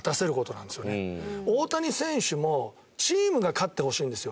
大谷選手もチームが勝ってほしいんですよ。